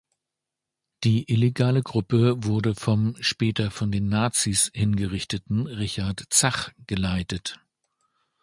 Die illegale Gruppe wurde vom später von den Nazis hingerichteten Richard Zach geleitet.